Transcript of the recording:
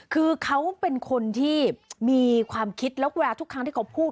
คือเขาเป็นคนที่มีความคิดแล้วแวร์ทุกครั้งที่เขาพูด